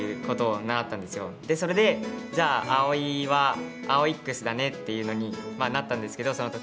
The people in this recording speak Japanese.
それでじゃあ碧生は「アオイックス」だねっていうのになったんですけどその時は。